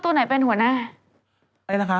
ตัวไหนเป็นหัวหน้า